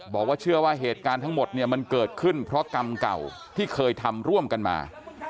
บอกว่าเชื่อว่าเหตุการณ์ทั้งหมดเนี่ยมันเกิดขึ้นเพราะกรรมเก่าที่เคยทำร่วมกันมา